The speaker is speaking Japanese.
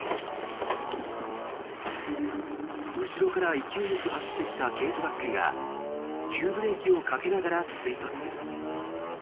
後ろから勢いよく走ってきた軽トラックが急ブレーキをかけながら追突。